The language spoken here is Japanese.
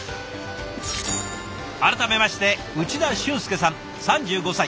改めまして内田俊佑さん３５歳。